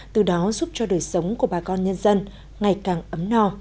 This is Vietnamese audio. từ đó giúp cho đời sống của bà con nhân dân ngày càng ấm no